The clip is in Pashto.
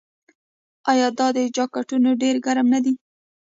آیا دا جاکټونه ډیر ګرم نه دي؟